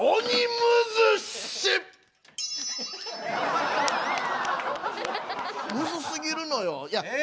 むずすぎるのよ。え？